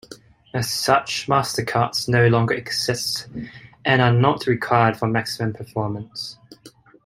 As such, Master Cards no longer exist, and are not required for maximum performance.